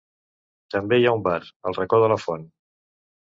També hi ha un bar, El Racó de la Font.